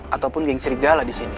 ataupun geng serigala di sini